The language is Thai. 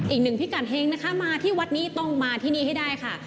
อีกหนึ่งพิกัดเฮงนะคะมาที่วัดนี้ต้องมาที่นี่ให้ได้ค่ะ